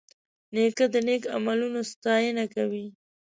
نیکه د نیک عملونو ستاینه کوي.